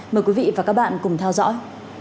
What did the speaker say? mời quý vị và các bạn cùng theo dõi